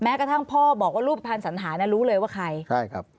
กระทั่งพ่อบอกว่ารูปภัณฑ์สันหาเนี่ยรู้เลยว่าใครใช่ครับ